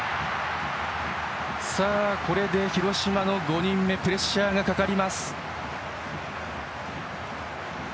さあ、これで広島の５人目プレッシャーがかかります。